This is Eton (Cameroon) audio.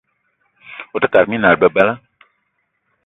Ote kate minal bebela.